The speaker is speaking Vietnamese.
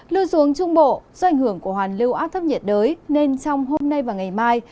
lưu xuống trung bộ do ảnh hưởng của hoàn lưu áp thấp nhiệt đới nên trong hôm nay và ngày mai